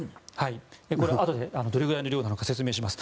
これ、あとでどれぐらいの量なのか説明します。